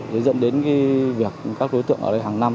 rồi dẫn đến cái việc các đối tượng ở đây hàng năm